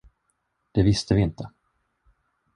Det visste vi inte.